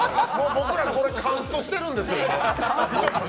僕ら、カンストしてるんですよ。